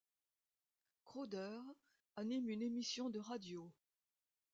Crowder anime une émission de radio.